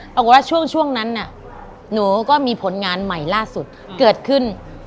ปรากฏว่าช่วงนั้นน่ะหนูก็มีผลงานใหม่ล่าสุดเกิดขึ้น